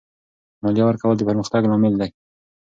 مالیه ورکول د پرمختګ لامل دی.